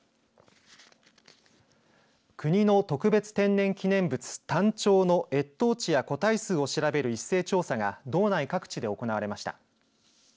国の特別天然記念物タンチョウの越冬地や個体数を調べる一斉調査が道内各地で行われました。